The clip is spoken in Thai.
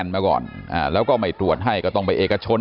โรงพยาบาลขอนแก่นมาก่อนแล้วก็ไม่ตรวจให้ก็ต้องไปเอกช้น